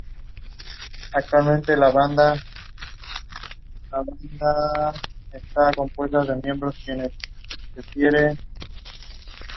This led to the Buraimi Dispute.